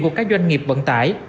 của các doanh nghiệp vận tải